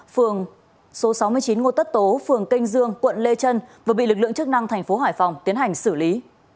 phường kênh dương quận lê trân và bị lực lượng chức năng thành phố hải phòng tiến hành xử lý